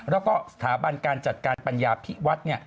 แล้วก็สถาบันการจัดการปัญญาพิวัฒน์